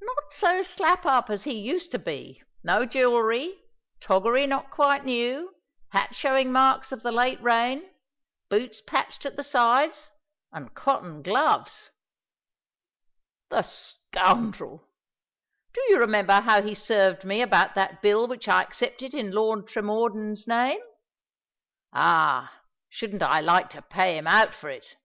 "Not so slap up as he used to be:—no jewellery—toggery not quite new—hat showing marks of the late rain—boots patched at the sides—and cotton gloves." "The scoundrel! Do you remember how he served me about that bill which I accepted in Lord Tremordyn's name? Ah! shouldn't I like to pay him out for it!"